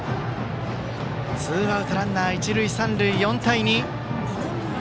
ツーアウトランナー、一塁三塁、４対２。